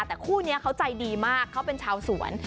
แต่คู่นี้เขาใจดีมากเขาเป็นชาวสวน